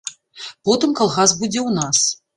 Потым калгас будзе ў нас.